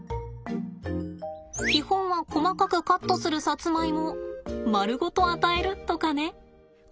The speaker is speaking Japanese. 基本は細かくカットするサツマイモを丸ごと与えるとかね。